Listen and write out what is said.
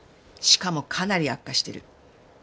しかもかなり悪化してる。